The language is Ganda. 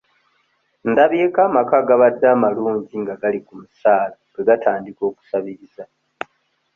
Ndabyeko amaka agabadde amalungi nga gali ku musaala bwe gatandika okusabiriza.